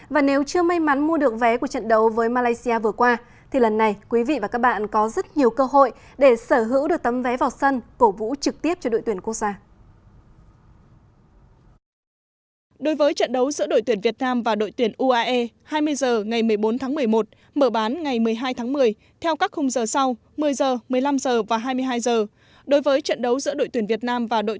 và nếu chưa may mắn mua được vé của trận đấu với malaysia vừa qua thì lần này quý vị và các bạn có rất nhiều cơ hội để sở hữu được tấm vé vào sân cổ vũ trực tiếp cho đội tuyển quốc gia